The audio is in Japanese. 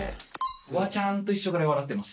フワちゃんと一緒ぐらい、笑ってます。